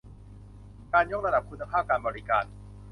การยกระดับคุณภาพการบริการ